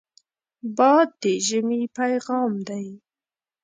باد د ژمې پیغام دی